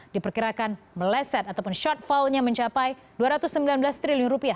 diperkirakan meleset ataupun shortfall nya mencapai rp dua ratus sembilan belas triliun